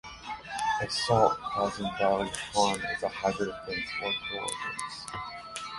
Assault causing bodily harm is a hybrid offence or dual offence.